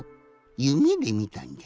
夢でみたんじゃ。